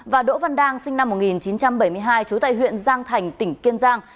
và đỗ văn đang sinh năm một nghìn chín trăm bảy mươi hai trú tại huyện giang thành tỉnh kiên giang